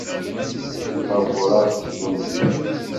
Lbaburat tteddun fell-as.